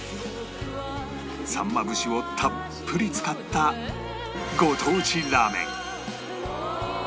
さんま節をたっぷり使ったご当地ラーメン